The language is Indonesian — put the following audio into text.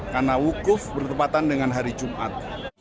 karena wukuf bertempatan dengan hari jumat